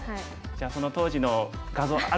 じゃあその当時の画像ある方